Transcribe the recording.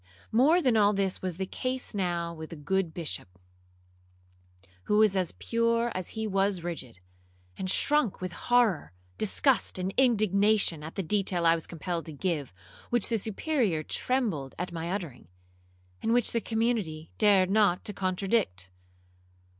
'More than all this was the case now with the good Bishop, who was as pure as he was rigid, and shrunk with horror, disgust, and indignation, at the detail I was compelled to give, which the Superior trembled at my uttering, and which the community dared not to contradict.